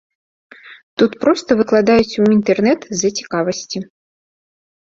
Тут проста выкладаюць у інтэрнэт з-за цікавасці.